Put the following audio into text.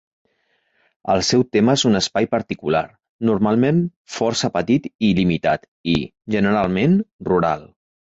El seu tema és un espai particular, normalment força petit i limitat i, generalment, rural.